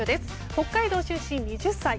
北海道出身、２０歳。